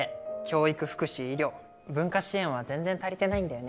教育福祉医療文化支援は全然足りてないんだよね。